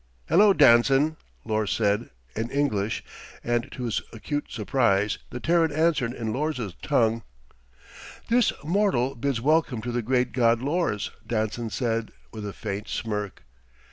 "Hello, Danson," Lors said, in English, and to his acute surprise, the Terran answered in Lors' tongue. "This mortal bids welcome to the great god, Lors," Danson said, with a faint smirk.